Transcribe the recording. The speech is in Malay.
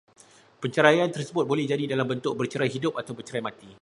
Perceraian tersebut boleh jadi dalam bentuk bercerai hidup atau bercerai mati